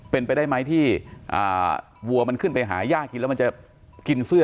เป็นไปได้ไหมที่วัวมันขึ้นไปหายากกินแล้วมันจะกินเสื้อ